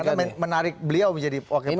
karena menarik beliau menjadi wakil presiden